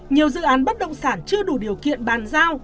nhiều dự án bất động sản chưa đủ điều kiện bàn giao